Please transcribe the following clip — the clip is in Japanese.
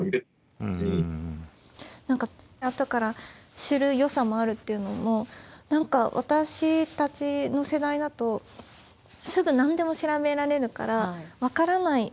何かあとから知るよさもあるっていうのも何か私たちの世代だとすぐ何でも調べられるから分からないことがないというか。